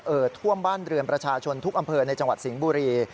ท่วมบ้านเรือนประชาชนทุกอำเภอในจังหวัดสิงห์บุรี